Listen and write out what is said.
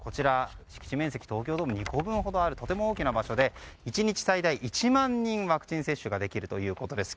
敷地面積東京ドーム２個分ほどあるとても大きな場所で１日最大１万人のワクチン接種ができるということです。